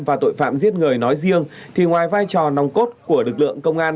và tội phạm giết người nói riêng thì ngoài vai trò nòng cốt của lực lượng công an